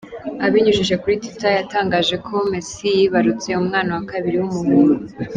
Abinyujije kuri Twitter yatangaje ko Messi yibarutse umwana wa kabiri w’umuhungu.